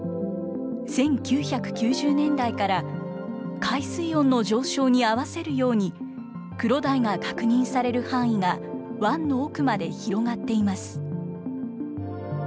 １９９０年代から海水温の上昇に合わせるように、クロダイが確認される範囲が湾の奥まで広がっています。